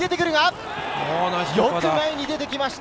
よく前に出てきました